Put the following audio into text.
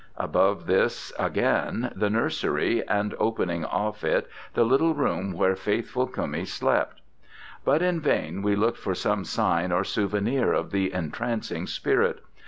Above this again, the nursery, and opening off it the little room where faithful Cummie slept. But in vain we looked for some sign or souvenir of the entrancing spirit.